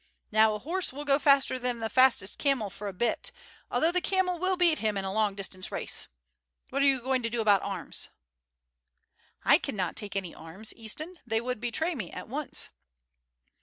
Now a horse will go faster than the fastest camel for a bit, although the camel will beat him in a long distance race. What are you going to do about arms?" "I cannot take any arms, Easton; they would betray me at once."